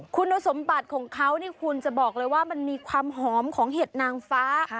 คุณสมบัติของเขานี่คุณจะบอกเลยว่ามันมีความหอมของเห็ดนางฟ้า